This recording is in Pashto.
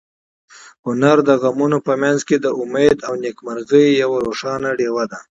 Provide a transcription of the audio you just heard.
هنر د غمونو په منځ کې د امید او نېکمرغۍ یوه روښانه ډېوه ده.